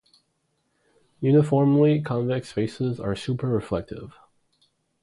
Uniformly convex spaces are super-reflexive.